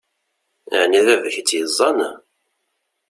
Ɛni d baba-k i tt-yeẓẓan?